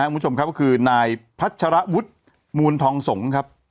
คุณผู้ชมครับก็คือนายพัชรวุฒิมูลทองสงฆ์ครับ